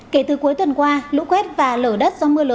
kể từ cuối tuần qua lũ quét và lở đất do mưa lớn ở mỹ